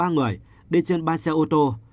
một mươi ba người đi trên ba xe ô tô